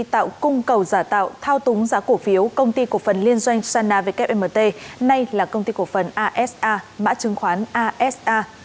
tạo cung cầu giả tạo thao túng giá cổ phiếu công ty cổ phần liên doanh sana wmt nay là công ty cổ phần asa mã chứng khoán asa